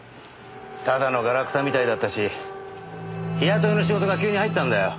ただのガラクタみたいだったし日雇いの仕事が急に入ったんだよ。